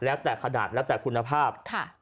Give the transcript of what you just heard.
แล้วแต่ขนาดแล้วแต่คุณภาพ